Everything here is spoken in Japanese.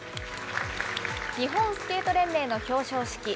日本スケート連盟の表彰式。